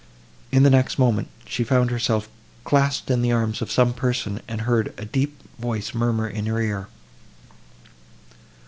In the next moment, she found herself clasped in the arms of some person, and heard a deep voice murmur in her ear.